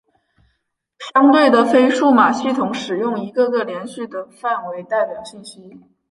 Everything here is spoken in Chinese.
相对的非数码系统使用一个个连续的范围代表信息。